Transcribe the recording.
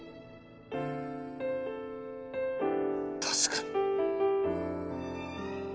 確かに。